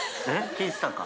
聞いてたか？